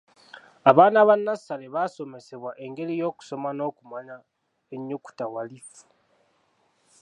Abaana ba nnassale basomesebwa engeri y'okusoma n'okumanya ennyukuta walifu.